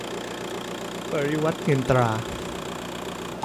ปริวรรตเงินตรา